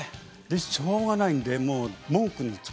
しょうがないんでもう。